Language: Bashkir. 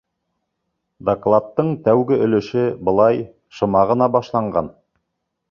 Докладтың тәүге өлөшө, былай, шыма ғына башланған.